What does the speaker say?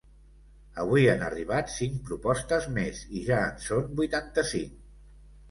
Avui han arribat cinc propostes més, i ja en són vuitanta cinc.